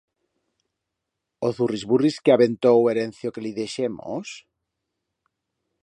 O zurrisburris que aventó o herencio que li deixemos?